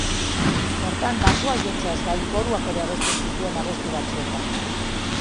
Bertan baxua jotzeaz gain koruak ere abesten zituen abesti batzuetan.